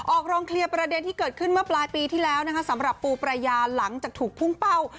ออกโรงเคลียร์ประเด็นที่เกิดขึ้นเมื่อปลายปีที่แล้วนะคะสำหรับปูปรายาหลังจากถูกพุ่งเป้า